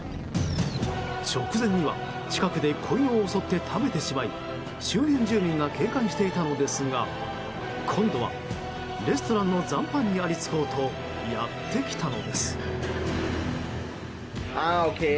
直前には近くで子犬を襲って食べてしまい周辺住民が警戒していたのですが今度は、レストランの残飯にありつこうとやってきたのです。